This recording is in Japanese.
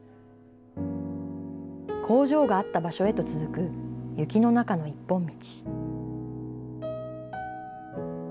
工場があった場所へと続く、雪の中の一本道。